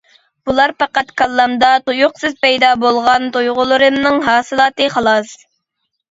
بۇلار پەقەت كاللامدا تۇيۇقسىز پەيدا بولغان تۇيغۇلىرىمنىڭ ھاسىلاتى خالاس.